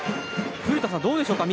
古田さん、どうでしょうか。